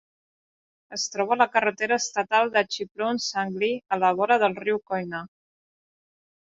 Es troba a la carretera estatal de Chiplun-Sangli a la vora del riu Koyna.